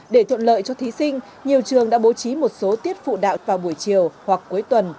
để thuận lợi cho thí sinh nhiều trường đã bố trí một số tiết phụ đạo vào buổi chiều hoặc cuối tuần